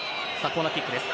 コーナーキックです。